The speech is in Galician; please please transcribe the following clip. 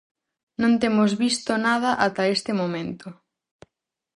Non temos visto nada ata este momento.